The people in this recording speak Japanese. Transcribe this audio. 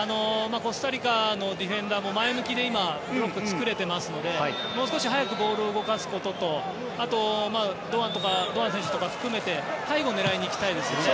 コスタリカのディフェンダーも前向きで今、ブロックを作れていますのでもう少し速くボールを動かすことと堂安選手とか含めて背後を狙いに行きたいですよね。